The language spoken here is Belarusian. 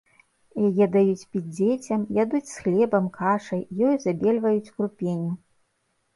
Яе даюць піць дзецям, ядуць з хлебам, кашай, ёю забельваюць крупеню.